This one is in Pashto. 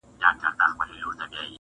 که تعویذ د چا مشکل آسانولای -